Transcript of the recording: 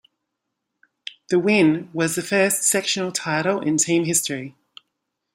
The win was the first sectional title in team history.